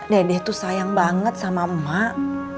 dede tuh sayang banget sama mak